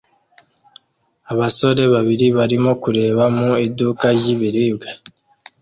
Abasore babiri barimo kureba mu iduka ry'ibiribwa